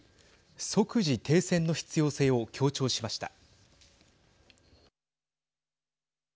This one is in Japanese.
即時停戦の必要性を強調しました。